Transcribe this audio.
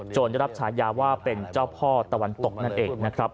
ได้รับฉายาว่าเป็นเจ้าพ่อตะวันตกนั่นเองนะครับ